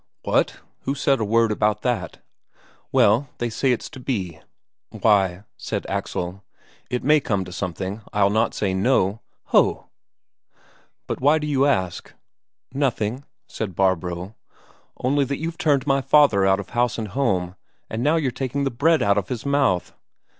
"What? Who said a word about that?" "Well, they say it's to be." "Why," said Axel, "it may come to something; I'll not say no." "Ho!" But why d'you ask?" "Nothing," said Barbro; "only that you've turned my father out of house and home, and now you're taking the bread out of his mouth."